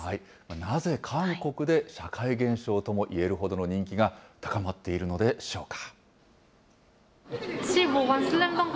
なぜ韓国で、社会現象ともいえるほどの人気が高まっているのでしょうか。